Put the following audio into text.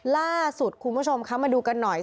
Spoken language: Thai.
ล่าสุดคุณผู้ชมคะมาดูกันหน่อย